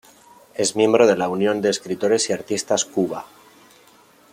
Es miembro de la Unión de Escritores y Artistas Cuba.